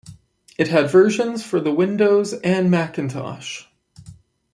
It had versions for the Windows and Macintosh.